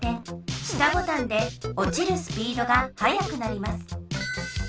下ボタンでおちるスピードがはやくなります。